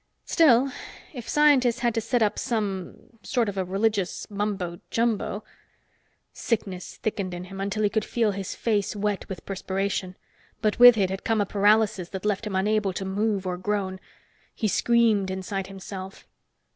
Still, if scientists had to set up some, sort of a religious mumbo jumbo.... Sickness thickened in him, until he could feel his face wet with perspiration. But with it had come a paralysis that left him unable to move or groan. He screamed inside himself.